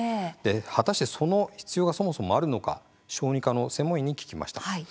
果たしてその必要がそもそもあるのか小児科の専門医に聞きました。